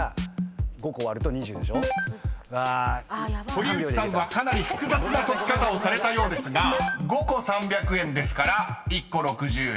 ［堀内さんはかなり複雑な解き方をされたようですが５個３００円ですから１個６０円］